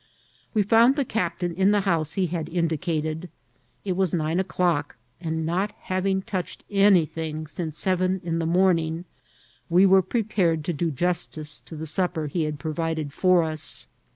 We found the cs^tain in the house he had in* dicated. It was nine o'clock, and, not having touched anythmg since seven in the morning, we were prepared to do justice to tbe supper he had {nrovided fat us.